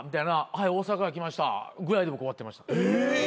はい大阪から来ましたぐらいで僕終わってました。